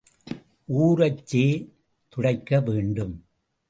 ஊறச்சே துடைக்க வேண்டும்.